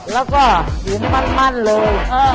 แล้วก็หุ้มมั่นเลย